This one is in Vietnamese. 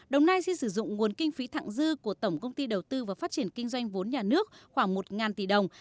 đồng nai xin sử dụng nguồn kinh phí thẳng dư của tổng công ty đầu tư và phát triển kinh doanh vốn nhà nước khoảng một tỷ đồng